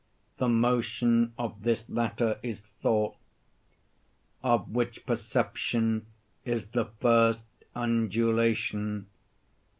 The motion of this latter is thought, of which perception is the first undulation.